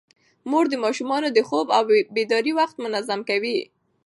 مور د ماشومانو د خوب او بیدارۍ وخت منظم کوي.